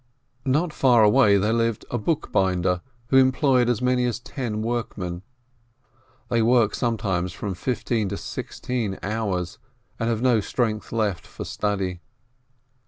Not far away there lived a bookbinder, who employed as many as ten workmen. They work sometimes from fifteen to sixteen hours, and have no strength left for study.